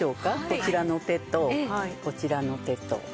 こちらの手とこちらの手と。